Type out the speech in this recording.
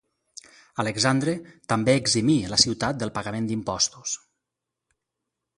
Alexandre també eximí la ciutat del pagament d'impostos.